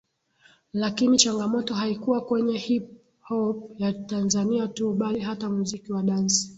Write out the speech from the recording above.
Lakini changamoto haikuwa kwenye HipHop ya Tanzania tu bali hata muziki wa dansi